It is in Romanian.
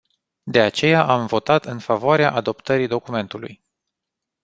De aceea am votat în favoarea adoptării documentului.